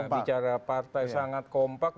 bicara partai sangat kompak